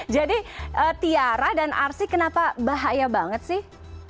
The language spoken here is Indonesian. jadi tiara dan arsy kenapa bahaya banget sih